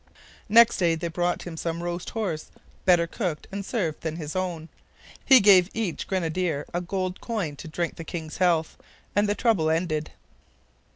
Next day they brought him some roast horse, better cooked and served than his own. He gave each grenadier a gold coin to drink the king's health; and the trouble ended.